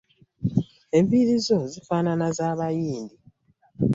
Enviiri zo zifaanana za bayindi!